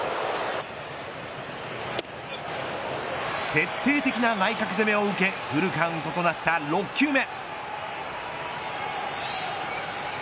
徹底的な内角攻めを受けフルカウントとなった６球目。